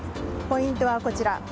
ポイントはこちら。